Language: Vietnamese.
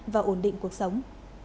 và ổn định cuộc sống